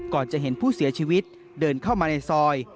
ก่อนจะเห็นผู้เสียชีวิตเดินเข้ามาในซอย